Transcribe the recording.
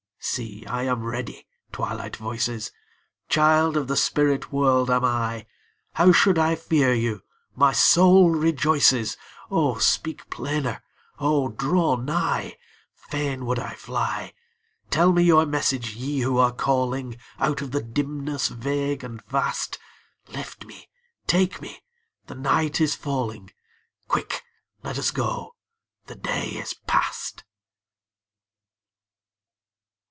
See, I am ready, Twilight voices! Child of the spirit world am I; How should I fear you? my soul rejoices, O speak plainer! O draw nigh! Fain would I fly! Tell me your message, Ye who are calling Out of the dimness vague and vast; Lift me, take me, the night is falling; Quick, let us go, the day is past.